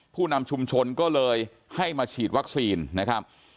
ผู้นำชุมชนก็เลยให้มาฉีดวัคซีนนะครับ